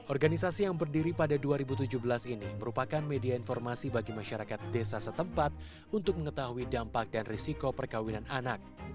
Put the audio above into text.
organisasi yang berdiri pada dua ribu tujuh belas ini merupakan media informasi bagi masyarakat desa setempat untuk mengetahui dampak dan risiko perkawinan anak